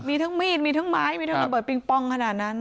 มีทั้งมีดมีทั้งไม้มีทั้งระเบิดปิงปองขนาดนั้น